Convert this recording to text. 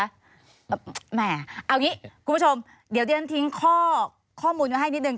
เอาอย่างงี้คุณผู้ชมเดี๋ยวเดี๋ยวฉันทิ้งข้อมูลให้นิดนึง